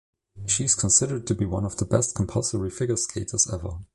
She is considered to be one of the best compulsory figure skaters ever.